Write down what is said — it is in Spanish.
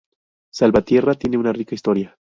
Salvatierra tiene una rica historia.